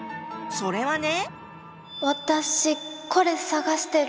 それはね。